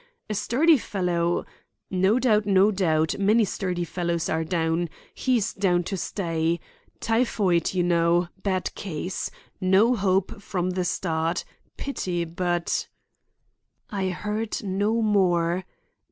"A sturdy fellow—" "No doubt, no doubt. Many sturdy fellows are down. He's down to stay. Typhoid, you know. Bad case. No hope from the start. Pity, but—" I heard no more.